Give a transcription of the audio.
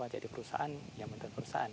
jadi perusahaan yang menter perusahaan